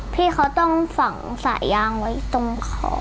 พี่เขาต้องฝังสายยางไว้ตรงเขา